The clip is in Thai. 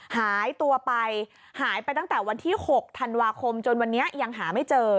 หายตัวไปหายไปตั้งแต่วันที่๖ธันวาคมจนวันนี้ยังหาไม่เจอ